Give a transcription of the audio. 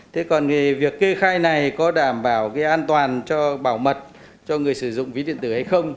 thế còn việc kê khai này có đảm bảo cái an toàn cho bảo mật cho người sử dụng ví điện tử hay không